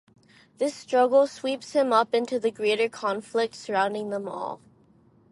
This struggle sweeps him up into the greater conflict surrounding them all.